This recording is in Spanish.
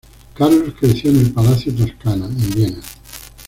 Carlos Creció en el Palacio Toscana en Viena.